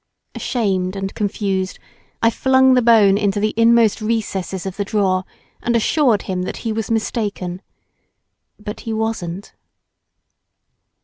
Ashamed and confused I flung the bone into the inmost recesses of the drawer, and assured him that he was mistaken. But he wasn't.